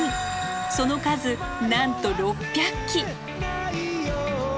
その数なんと６００基！